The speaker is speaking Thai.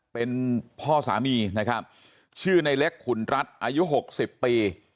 เป็นพ่อสามีนะครับชื่อในเล็กขุนรัฐอายุ๖๐ปี